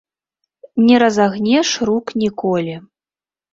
Не разагнеш рук ніколі.